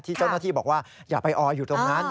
เจ้าหน้าที่บอกว่าอย่าไปออยอยู่ตรงนั้น